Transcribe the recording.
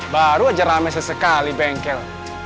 baru aja rame sesekali bengkel